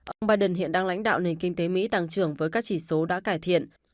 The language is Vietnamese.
ông biden hiện đang lãnh đạo nền kinh tế mỹ tăng trưởng với các chỉ số đã cải thiện